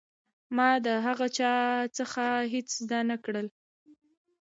ما د هغه چا څخه هېڅ زده نه کړل.